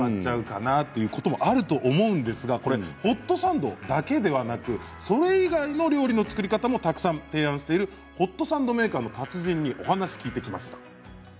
これホットサンドだけではなくそれ以外の料理の作り方もたくさん提案しているホットサンドメーカーの達人にお話を聞いてきました。